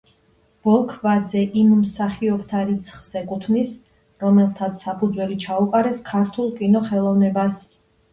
ბოლქვაძე იმ მსახიობთა რიცხვს ეკუთვნის, რომელთაც საფუძველი ჩაუყარეს ქართულ კინოხელოვნებას.